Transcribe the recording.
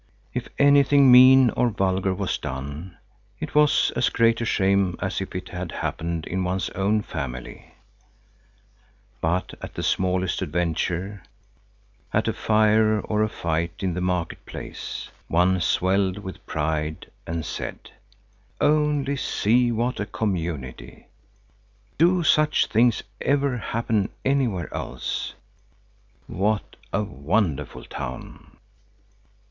If anything mean or vulgar was done, it was as great a shame as if it had happened in one's own family; but at the smallest adventure, at a fire or a fight in the market place, one swelled with pride and said: "Only see what a community! Do such things ever happen anywhere else? What a wonderful town!"